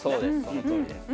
そのとおりです。